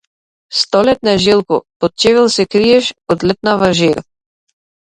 Столетна желко, под чевел се криеш од летнава жега!